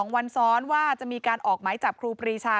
วันซ้อนว่าจะมีการออกหมายจับครูปรีชา